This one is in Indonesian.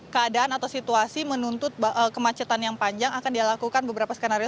keadaan atau situasi menuntut kemacetan yang panjang akan dilakukan beberapa skenario